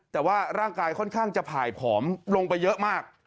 แต่ว่าร่างกายค่อนข้างจะผ่ายผอมลงไปเยอะมาก